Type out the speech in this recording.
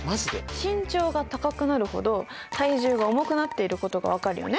身長が高くなるほど体重が重くなっていることが分かるよね。